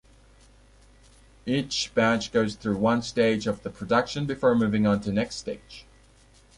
Each batch goes through one stage of the production before moving onto next stage.